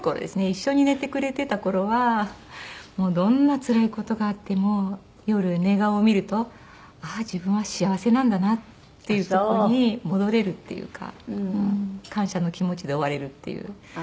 一緒に寝てくれていた頃はもうどんなつらい事があっても夜寝顔を見るとああ自分は幸せなんだなっていうとこに戻れるっていうか感謝の気持ちで終われるっていう。